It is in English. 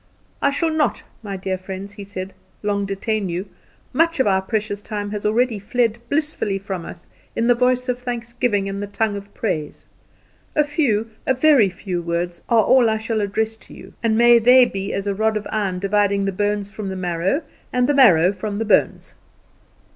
"I shall not, my dear friends," he said, "long detain you. Much of our precious time has already fled blissfully from us in the voice of thanksgiving and the tongue of praise. A few, a very few words are all I shall address to you, and may they be as a rod of iron dividing the bones from the marrow, and the marrow from the bones.